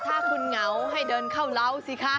ถ้าคุณเหงาให้เดินเข้าเล้าสิคะ